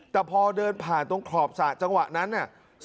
แต่พอเดินผ่านตรงขอบสระจังหวะนั้นน่ะ